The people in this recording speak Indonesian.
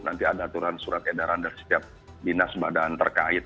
nanti ada aturan surat edaran dari setiap dinas badan terkait